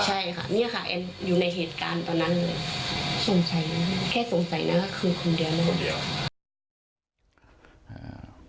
ใช่ค่ะนี่ค่ะอันอยู่ในเหตุการณ์ตอนนั้นเลยแค่สงสัยเลยเนี่ยเขาคือคนนี้เลย